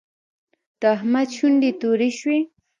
د احمد شونډې تورې شوې.